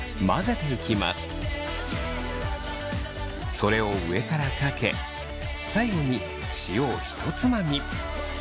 それを上からかけ最後に塩をひとつまみ。